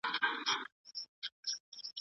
علوم په طبیعي او ټولنیزو څانګو وېشل سوي دي.